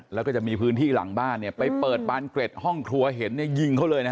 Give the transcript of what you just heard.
แล้วก็จะมีพื้นที่หลังบ้านเนี่ยไปเปิดบานเกร็ดห้องครัวเห็นเนี่ยยิงเขาเลยนะฮะ